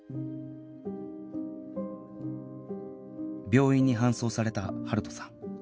病院に搬送された晴斗さん